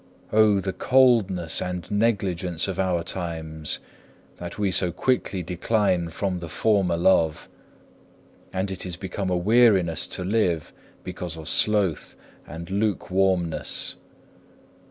6. O the coldness and negligence of our times, that we so quickly decline from the former love, and it is become a weariness to live, because of sloth and lukewarmness.